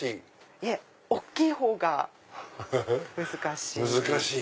いえ大きいほうが難しいです。